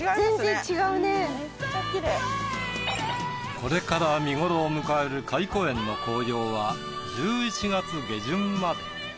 これから見ごろを迎える懐古園の紅葉は１１月下旬まで。